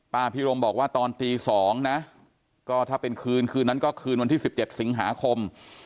พิรมบอกว่าตอนตี๒นะก็ถ้าเป็นคืนคืนนั้นก็คืนวันที่๑๗สิงหาคม